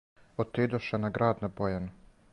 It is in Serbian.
Отидоше на град на Бојану.